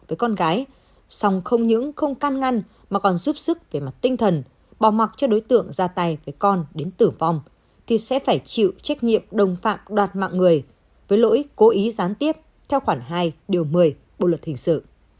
với con gái song không những không can ngăn mà còn giúp sức về mặt tinh thần bỏ mặc cho đối tượng ra tay với con đến tử vong thì sẽ phải chịu trách nhiệm đồng phạm đoạt mạng người với lỗi cố ý gián tiếp theo khoảng hai điều một mươi bộ luật hình sự